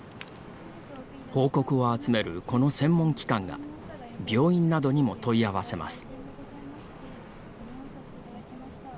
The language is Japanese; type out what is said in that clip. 報告を集めるこの専門機関が病院などにも問い合わせます。